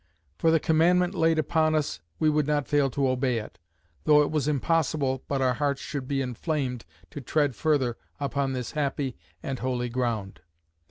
For the commandment laid upon us, we would not fail to obey it, though it was impossible but our hearts should be enflamed to tread further upon this happy and holy ground."